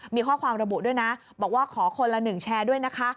มีข้อความระบุด้วยนะบอกว่าขอคนละ๑แชร์ด้วยนะคะ